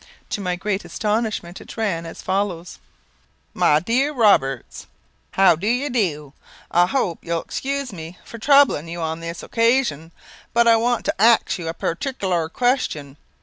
To my great astonishment it ran as follows: "My Dear Roberts, "How do you do? I hope you will excuse me for troubling you on this occasion; but I want to ax you a partic'lar question.